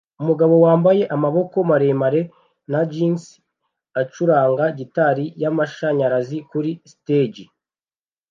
Umugabo wambaye amaboko maremare na jans acuranga gitari yamashanyarazi kuri stage